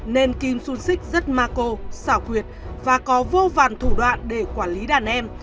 nên kim xuân xích rất ma cô xảo quyệt và có vô vàn thủ đoạn để quản lý đàn em